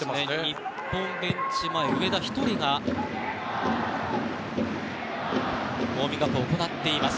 日本ベンチ前、上田１人がウォーミングアップを行っています。